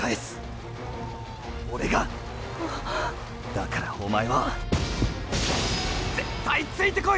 だからおまえは絶対ついてこい！